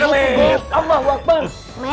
amah wak bang